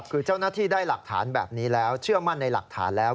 คือเจ้าหน้าที่ได้หลักฐานแบบนี้แล้วเชื่อมั่นในหลักฐานแล้ว